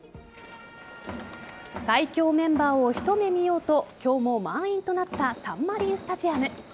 最強メンバーを一目見ようと今日も満員となったサンマリンスタジアム。